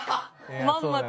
まんまと。